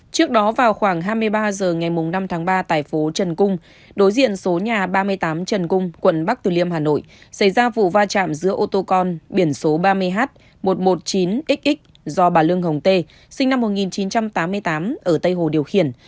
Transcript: trước đó vào khoảng hai mươi ba h ngày năm tháng ba tại phố trần cung đối diện số nhà ba mươi tám trần cung quận bắc từ liêm hà nội xảy ra vụ va chạm giữa ô tô con biển số ba mươi h một trăm một mươi chín xx do bà lương hồng tê sinh năm một nghìn chín trăm tám mươi tám ở tây hồ điều khiển